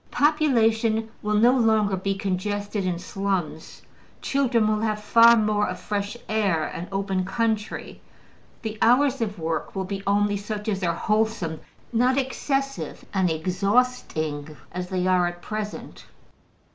Population will no longer be congested in slums; children will have far more of fresh air and open country; the hours of work will be only such as are wholesome, not excessive and exhausting as they are at present.